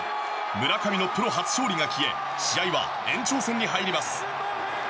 村上のプロ初勝利が消え試合は延長戦に入ります。